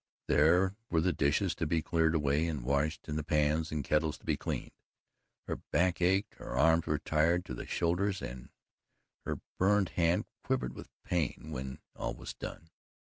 There were the dishes to be cleared away and washed, and the pans and kettles to be cleaned. Her back ached, her arms were tired to the shoulders and her burned hand quivered with pain when all was done.